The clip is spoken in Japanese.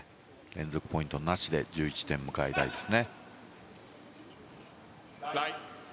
連続ポイントなしで１１点を迎えたいです。